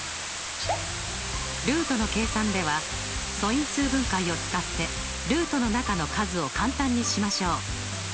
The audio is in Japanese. ルートの計算では素因数分解を使ってルートの中の数を簡単にしましょう。